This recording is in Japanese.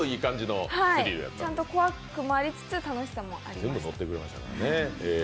ちゃんと怖くもありつつ、楽しさもありました。